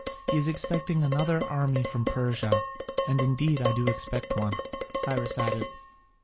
He is expecting another army from Persia,' and indeed I do expect one," Cyrus added.